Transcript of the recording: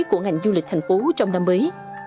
của ngành du lịch tp hcm trong năm mới